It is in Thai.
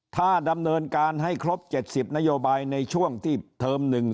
ถ้าดำเนินการให้ครบ๗๐นโยบายในช่วงที่เทอม๑๒